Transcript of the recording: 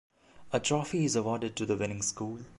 A trophy is awarded to the winning school.